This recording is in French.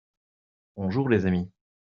bonjour les amis.